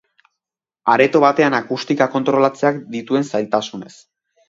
Areto batean akustika kontrolatzeak dituen zailtasunez.